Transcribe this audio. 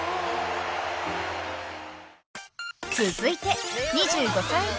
［続いて２５歳以下］